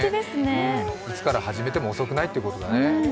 いつから始めても遅くないということだね。